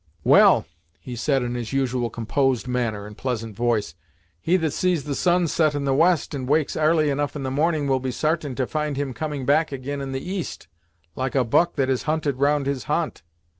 "Well," he said, in his usual, composed manner, and pleasant voice, "he that sees the sun set in the west, and wakes 'arly enough in the morning will be sartain to find him coming back ag'in in the east, like a buck that is hunted round his ha'nt.